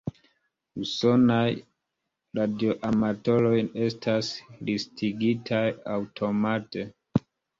Usonaj radioamatoroj estas listigitaj aŭtomate.